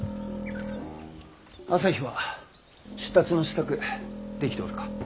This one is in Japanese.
旭は出立の支度できておるか？